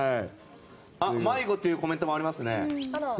迷子ってコメントもありますね。